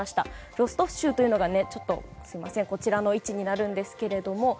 ロストフ州というのがこちらの位置になるんですが。